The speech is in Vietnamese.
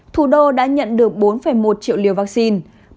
thủ đô đã nhận được bốn một triệu liều vaccine